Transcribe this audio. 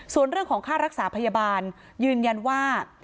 ส่วนเรื่องของค่ารักษาพยาบาลยืนยันว่า